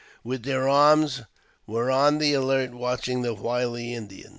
31 others, with their arms, were on the alert watching the wily Indian.